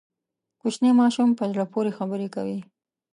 کوچنی ماشوم په زړه پورې خبرې کوي.